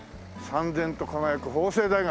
燦然と輝く「法政大学」。